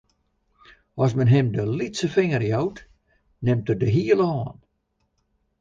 As men him de lytse finger jout, nimt er de hiele hân.